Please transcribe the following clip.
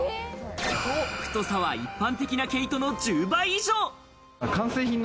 太さは一般的な毛糸の１０倍以上。